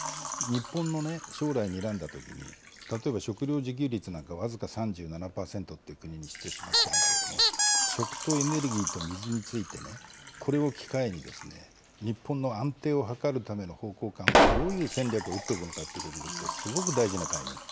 日本の将来にらんだときに、例えば、食料自給率なんか、僅か３７％って国にしてしまってるんだけど、食とエネルギーと水についてね、これを機会に、日本の安定を図るための方向感をどういう戦略を打っておくのかということによって、すごく大事なタイミング。